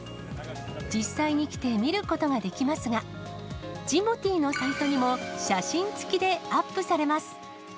実際に来て見ることができますが、ジモティーのサイトにも写真付きでアップされます。